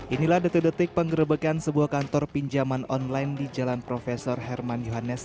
inilah detik detik pengerebekan sebuah kantor pinjaman online di jalan profesor herman yohanes